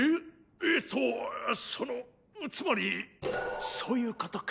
えっとそのつまりそういうことか？